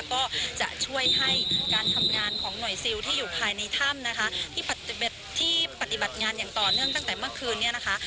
ก็จะช่วยให้การทำงานของหน่วยซิลที่อยู่ภายในถ้ำนะคะที่ปฏิบัติงานอย่างต่อเนื่องตั้งแต่เมื่อคืนนี้นะคะ